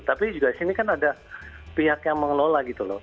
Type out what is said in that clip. tapi juga di sini kan ada pihak yang mengelola gitu loh